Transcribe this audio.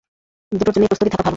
দুটোর জন্যই প্রস্তুতি থাকা ভালো।